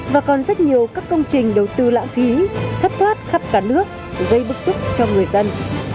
và còn rất nhiều các công trình đầu tư lãng phí thất thoát khắp cả nước gây bức xúc cho người dân